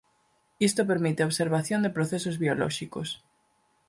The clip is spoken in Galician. Isto permite a observación de procesos biolóxicos.